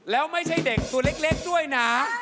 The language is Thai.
แล้วไม่ใช่เด็กตัวเล็กด้วยนะ